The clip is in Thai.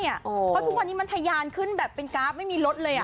เพราะทุกวันนี้มันทะยานขึ้นแบบเป็นกราฟไม่มีรถเลย